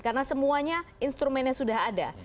karena semuanya instrumennya sudah ada